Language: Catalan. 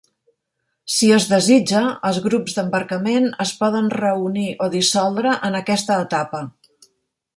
Si es desitja, els grups d'embarcament es poden reunir o dissoldre en aquesta etapa.